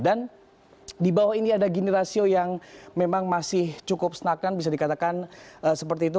dan di bawah ini ada gini rasio yang memang masih cukup senakan bisa dikatakan seperti itu